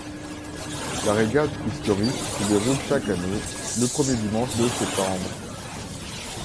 La régate historique se déroule chaque année, le premier dimanche de septembre.